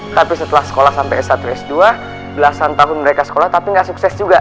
tapi setelah sekolah sampai s satu s dua belasan tahun mereka sekolah tapi gak sukses juga